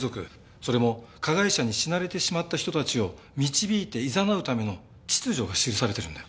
それも加害者に死なれてしまった人たちを導いていざなうための秩序が記されてるんだよ。